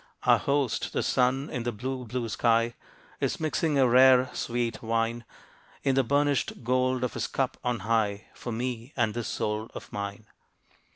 Our host, the Sun, in the blue, blue sky Is mixing a rare, sweet wine, In the burnished gold of his cup on high, For me, and this Soul of mine.